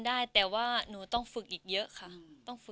เพิ่งจะดูเข้าหน้า